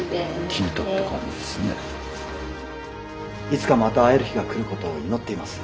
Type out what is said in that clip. いつかまた会える日が来ることを祈っています。